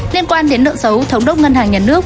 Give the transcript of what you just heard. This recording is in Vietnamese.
liên quan đến nợ xấu thống đốc ngân hàng nhà nước